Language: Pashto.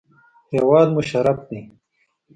هېواد مو شرف دی